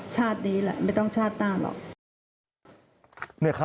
ชาตินี้แหละไม่ต้องชาติหน้าหรอก